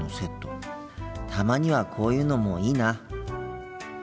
たまにはこういうのもいいな。